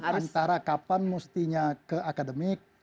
antara kapan mustinya ke akademik